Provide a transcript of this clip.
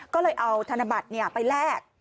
ก็เลยเอาธนบัตรไปแลก